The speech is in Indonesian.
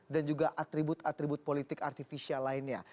juga atribut atribut politik artifisial lainnya